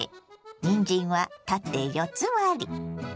にんじんは縦四つ割り。